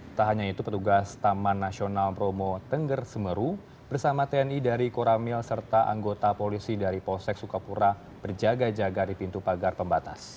tak hanya itu petugas taman nasional bromo tengger semeru bersama tni dari koramil serta anggota polisi dari polsek sukapura berjaga jaga di pintu pagar pembatas